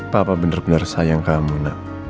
papa bener bener sayang kamu nak